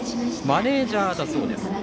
マネージャーだそうです。